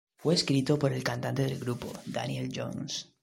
Fue escrito por el cantante del grupo, Daniel Johns.